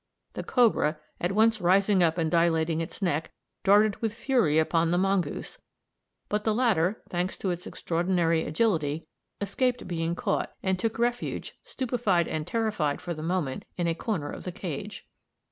The cobra, at once rising up and dilating its neck, darted with fury upon the mongoose; but the latter, thanks to its extraordinary agility, escaped being caught, and took refuge, stupefied and terrified for the moment, in a corner of the cage.